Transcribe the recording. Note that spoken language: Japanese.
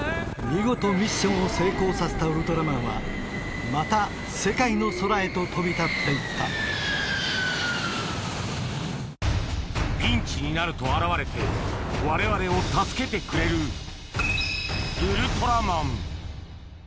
見事ミッションを成功させたウルトラマンはまた世界の空へと飛び立って行ったピンチになると現れてわれわれを助けてくれるウルトラマン